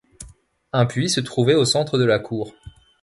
Un puits se trouvait au centre de la cour.